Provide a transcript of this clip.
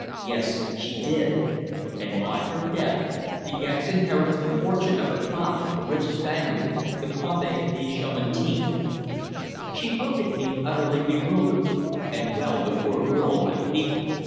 "Yes. She did. And by her death De Gex inherits the fortune of her father, a rich Spaniard, the Conde de Chamartin." She looked at me utterly bewildered, and well the poor girl might be.